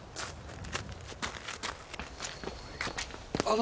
あ！